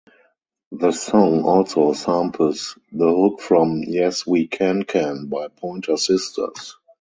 The song also samples the hook from "Yes We Can Can" by Pointer Sisters.